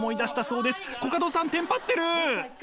コカドさんテンパってる！